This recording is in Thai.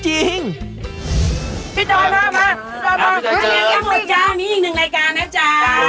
พี่จอยมาพี่จอยมาอันนี้ก็หมดจ๊ะมีอีกหนึ่งรายการนะจ๊ะ